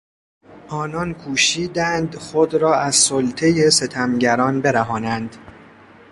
آنان کوشیدند خود را از سلطهی ستمگران برهانند.